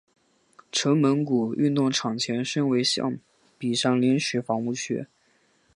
城门谷运动场前身为象鼻山临时房屋区。